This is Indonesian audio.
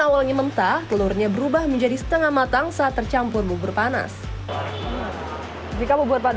awalnya mentah telurnya berubah menjadi setengah matang saat tercampur bubur panas jika bubur pada